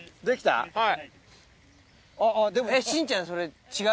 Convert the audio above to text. はい。